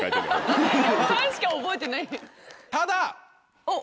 ３しか覚えてない。